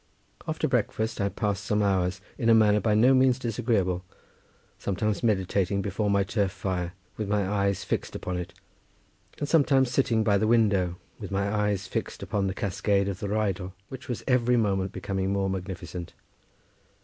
After breakfast I passed some hours in a manner by no means disagreeable, sometimes meditating before my turf fire with my eyes fixed upon it, and sometimes sitting by the window with my eyes fixed upon the cascade of the Rheidol, which was every moment becoming more magnificent.